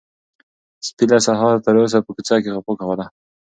سپي له سهاره تر اوسه په کوڅه کې غپا کوله.